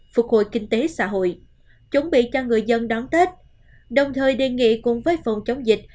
phục hồi kinh tế xã hội chuẩn bị cho người dân đón tết đồng thời đề nghị cùng với phòng chống dịch